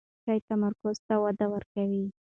چای تمرکز ته وده ورکوي.